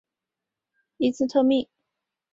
伊兹密特。